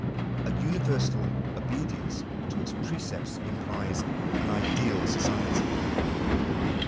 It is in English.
A universal obedienoe to its precepts implies an ideal society.